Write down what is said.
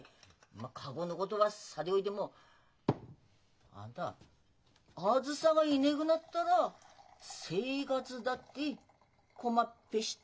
まっ過去のごどはさておいてもあんたあづさがいねぐなっだら生活だって困っぺした？